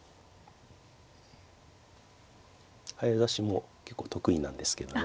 早指しも結構得意なんですけどね。